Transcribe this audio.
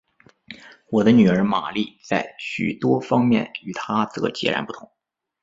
我的女儿玛丽在许多方面与她则截然不同。